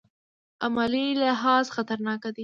عملي لحاظ خطرناک دی.